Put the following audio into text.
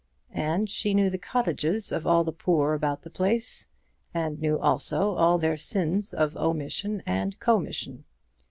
And she knew the cottages of all the poor about the place, and knew also all their sins of omission and commission.